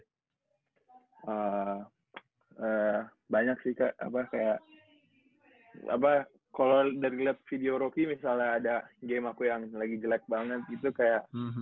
ya banyak sih kayak apa kalau dari lihat video rocky misalnya ada game aku yang lagi jelek banget gitu kayak